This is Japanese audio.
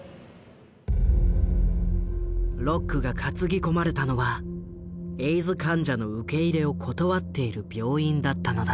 ロックが担ぎ込まれたのはエイズ患者の受け入れを断っている病院だったのだ。